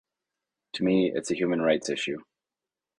To me, it's a human rights issue.